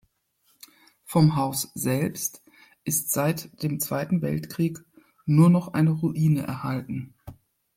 Vom Haus selbst ist seit dem Zweiten Weltkrieg nur noch eine Ruine erhalten.